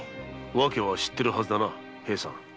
訳は知ってるはずだな？